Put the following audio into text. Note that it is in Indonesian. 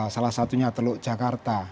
salah satunya teluk jakarta